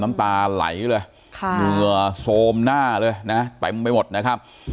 น้ำตาไหลเลยเนื้อโสมหน้าเลยนะฮะแต่มุ่งไปหมดนะครับ